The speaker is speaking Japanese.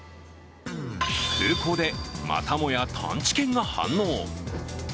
空港でまたもや探知犬が反応。